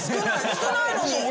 少ないのに。